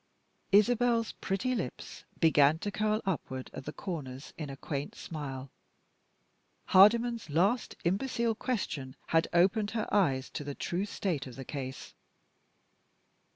Isabel's pretty lips began to curl upward at the corners in a quaint smile. Hardyman's last imbecile question had opened her eyes to the true state of the case.